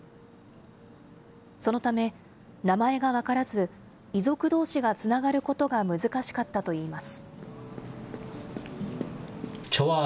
そのため、名前が分からず、遺族どうしがつながることが難しかったといいます。